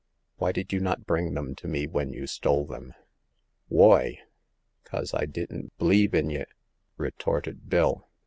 Why did you not bring them to me when you stole them ?"'' Whoy ? 'Cause I didn't b'lieve in ye !" re torted Bill.